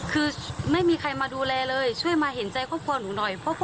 คือไม่มีใครมาดูแลเลยช่วยมาเห็นใจครอบครัวหนูหน่อย